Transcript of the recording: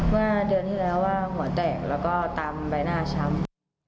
เมื่อเดือนที่แล้วว่าหัวแตกแล้วก็ตามใบหน้าช้ำ